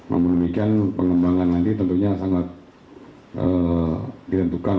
memungkinkan pengembangan nanti tentunya sangat ditentukan